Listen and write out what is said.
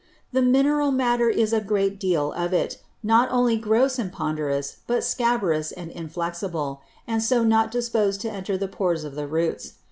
The Mineral Matter is a great deal of it, not only gross and ponderous, but scabrous and inflexible; and so not disposed to enter the Pores of the Roots.